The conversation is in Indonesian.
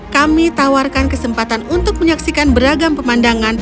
kami tawarkan kesempatan untuk menyaksikan beragam pemandangan